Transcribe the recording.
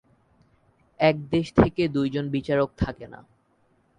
একই দেশ থেকে দুই জন বিচারক থাকে না।